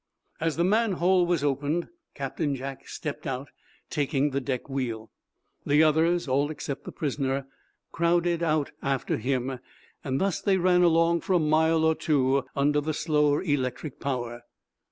As the manhole was opened Captain Jack stepped out, taking the deck wheel. The others, all except the prisoner, crowed out after him. Thus they ran along for a mile or two, under the slower electric power.